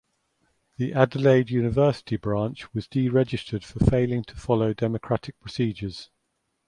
The Adelaide University branch was deregistered for failing to follow democratic procedures.